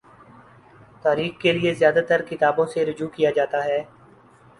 تاریخ کے لیے زیادہ ترکتابوں سے رجوع کیا جاتا ہے۔